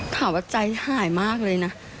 ถามว่าใจหายมากเลยนะ